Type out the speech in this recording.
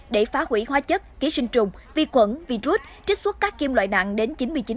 để phá hủy hóa chất ký sinh trùng vi quẩn vi rút trích xuất các kim loại nặng đến chín mươi chín